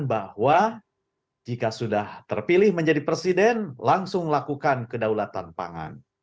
bahwa jika sudah terpilih menjadi presiden langsung lakukan kedaulatan pangan